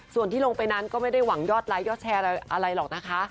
ส่วนที่ลงไปนั้นก็ไม่ได้หวังยอดไลค์ยอดแชร์อะไรหรอกนะคะ